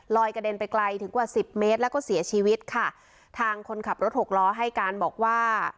กระเด็นไปไกลถึงกว่าสิบเมตรแล้วก็เสียชีวิตค่ะทางคนขับรถหกล้อให้การบอกว่า